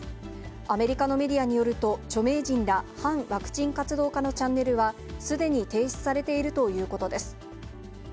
アメリカのメディアによると、著名人ら反ワクチン活動家のチャンネルは、すでに停止されているということです。